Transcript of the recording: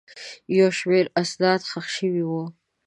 یو شمېر اسناد ښخ شوي وو.